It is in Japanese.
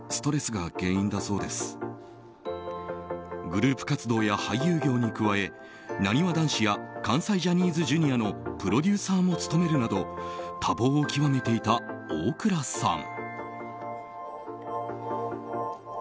グループ活動や俳優業に加えなにわ男子や関西ジャニーズＪｒ．のプロデューサーも務めるなど多忙を極めていた大倉さん。